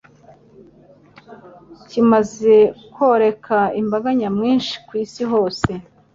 kimaze koreka imbaga nyamwinshi ku isi hose,